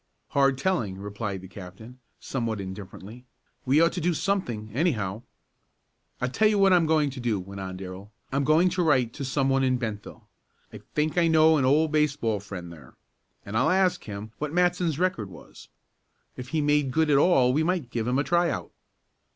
"Hard telling," replied the captain, somewhat indifferently. "We ought to do something, anyhow." "I tell you what I'm going to do," went on Darrell. "I'm going to write to some one in Bentville. I think I know an old baseball friend there, and I'll ask him what Matson's record was. If he made good at all we might give him a tryout."